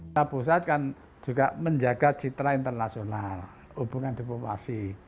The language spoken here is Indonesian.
kita pusat kan juga menjaga citra internasional hubungan diplomasi